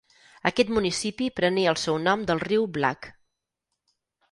Aquest municipi prenia el seu nom del riu Black.